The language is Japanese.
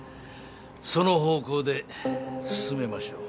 その方向で進めましょう。